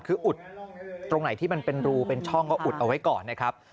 คืออุดตรงไหนที่มันเป็นรูเป็นช่องก็อุดเอาไว้ก่อนนะครับ